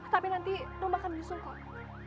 sampai nanti rum akan nyusul kok